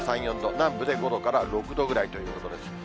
南部で５度から６度ぐらいということです。